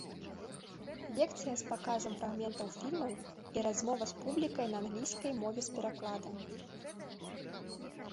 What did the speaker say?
Лекцыя з паказам фрагментаў фільмаў і размова з публікай на англійскай мове з перакладам.